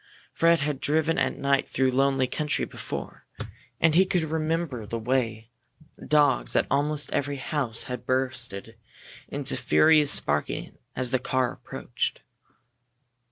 Fred had driven at night through lonely country before, and he could remember the way dogs at almost every house had burst into furious barking as the car approached.